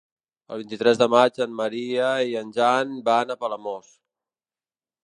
El vint-i-tres de maig en Maria i en Jan van a Palamós.